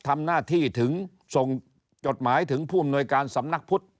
ทำหน้าที่ถึงส่งจดหมายถึงผู้อำนวยการสำนักพุทธ